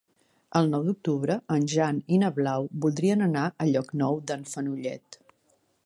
El nou d'octubre en Jan i na Blau voldrien anar a Llocnou d'en Fenollet.